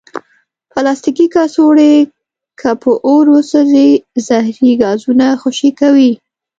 پلاستيکي کڅوړې که په اور وسوځي، زهري ګازونه خوشې کوي.